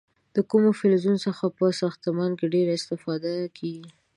د کومو فلزونو څخه په ساختمانونو کې ډیره استفاده کېږي؟